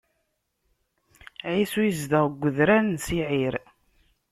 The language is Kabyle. Ɛisu yezdeɣ deg udrar n Siɛir.